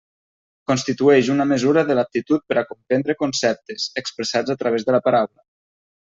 Constitueix una mesura de l'aptitud per a comprendre conceptes, expressats a través de la paraula.